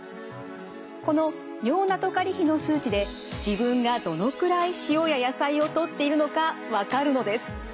この尿ナトカリ比の数値で自分がどのくらい塩や野菜をとっているのか分かるのです。